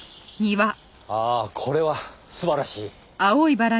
ああこれは素晴らしい。